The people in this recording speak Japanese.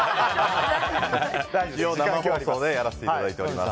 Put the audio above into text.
一応、生放送でやらせていただいております。